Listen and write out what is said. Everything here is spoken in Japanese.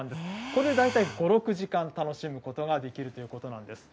これで大体５、６時間楽しむことができるということなんです。